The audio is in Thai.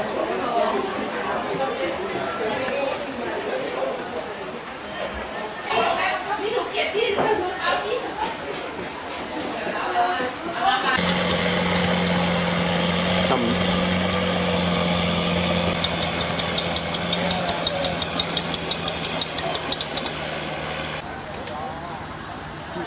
แขนมนุษย์ไม่ถูกสำหรับเนื้อ๑๐ไม่ถูก